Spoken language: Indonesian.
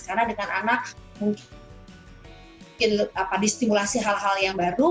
karena dengan anak mungkin mungkin apa di stimulasi hal hal yang baru